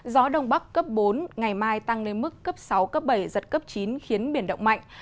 gió đông bắc cấp bốn ngày mai tăng lên mức cấp sáu cấp bảy giật cấp chín khiến biển động mạnh